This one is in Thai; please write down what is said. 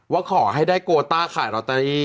ว่าขอให้ได้โกต้าขายลอตเตอรี่